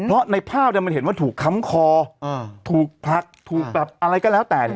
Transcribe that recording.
เพราะในภาพเนี่ยมันเห็นว่าถูกค้ำคอถูกผลักถูกแบบอะไรก็แล้วแต่เนี่ย